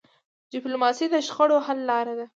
ډيپلوماسي د شخړو حل لاره ده.